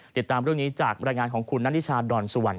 ติดตามเรื่องนี้ของสวรรค์